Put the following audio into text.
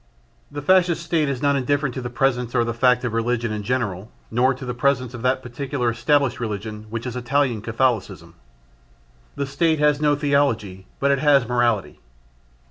The Fascist State is not indifferent to the presence or the fact of religion in general nor to the presence of that particular established religion, which is Italian Catholicism. The State has no theology, but it has morality.